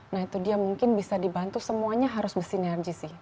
nah itu dia mungkin bisa dibantu semuanya harus bersinergi sih